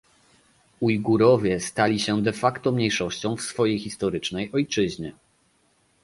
Ujgurowie stali się de facto mniejszością w swojej historycznej ojczyźnie